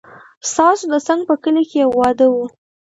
ستاسو د څنګ په کلي کې يو واده و